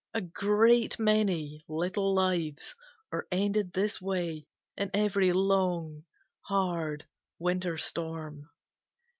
A great many little lives are ended this way in every long, hard winter storm.